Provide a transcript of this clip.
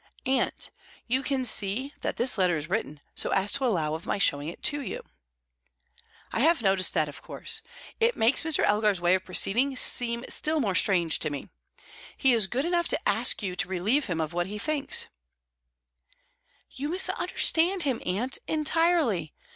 "Aunt, you can see that this letter is written so as to allow of my showing it to you." "I have noticed that, of course. It makes Mr. Elgar's way of proceeding seem still more strange to me. He is good enough to ask you to relieve him of what he thinks " "You misunderstand him, aunt, entirely.